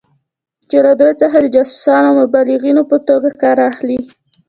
چې له دوی څخه د جاسوسانو او مبلغینو په توګه کار اخلي.